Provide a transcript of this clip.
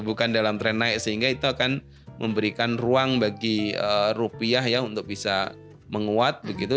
bukan dalam tren naik sehingga itu akan memberikan ruang bagi rupiah ya untuk bisa menguat begitu